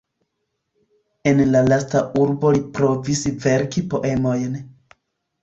En la lasta urbo li provis verki poemojn.